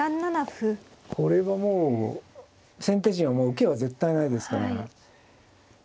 これはもう先手陣はもう受けは絶対ないですから。